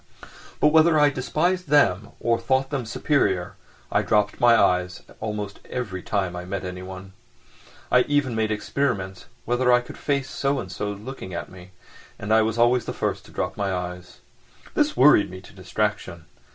But whether I despised them or thought them superior I dropped my eyes almost every time I met anyone. I even made experiments whether I could face so and so's looking at me, and I was always the first to drop my eyes. This worried me to distraction.